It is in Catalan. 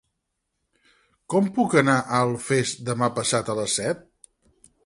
Com puc anar a Alfés demà passat a les set?